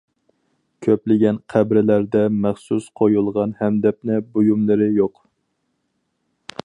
كۆپلىگەن قەبرىلەردە مەخسۇس قويۇلغان ھەمدەپنە بۇيۇملىرى يوق.